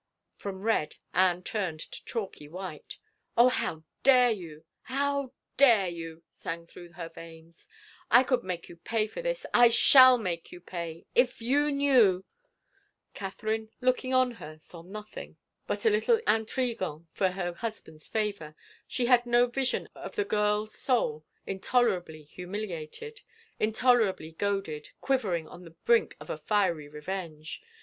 From red Anne turned to chalky white. " Oh, how dare you, how dare you !" sang through her veins. " I could make you pay for this — I shall make you pay! If you knew —" Catherine, looking on her, saw nothing but a little 99 THE FAVOR OF KINGS intrigeant for her husband's favor : she had no vision of the girl soul, intolerably humiliated, intolerably goaded, quivering on the brink of a fiery revenge.